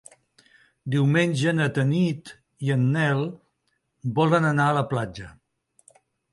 Diumenge na Tanit i en Nel volen anar a la platja.